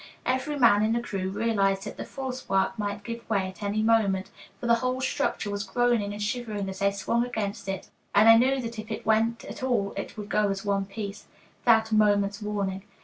Every man in the crew realized that the false work might give way at any moment, for the whole structure was groaning and shivering as they swung against it, and they knew that if it went at all it would go as one piece, without a moment's warning.